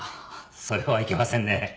それはいけませんね。